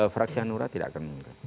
fraksi hanura tidak akan mengungkap